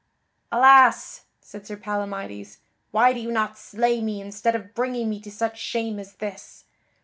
"Alas!" said Sir Palamydes, "why do you not slay me instead of bringing me to such shame as this!